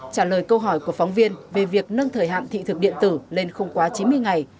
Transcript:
trả lời câu hỏi của phóng viên về việc nâng thời hạn thị thực điện tử lên không quá chín mươi ngày